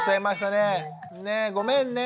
ねえごめんね。